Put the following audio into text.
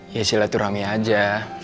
ya silaturahmi aja